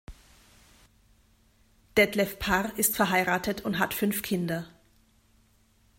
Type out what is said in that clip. Detlef Parr ist verheiratet und hat fünf Kinder.